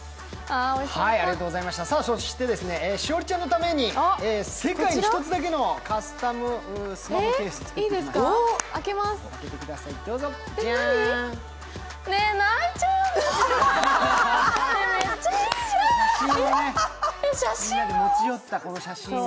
そして栞里ちゃんのために世界に一つだけのカスタムスマホケースを。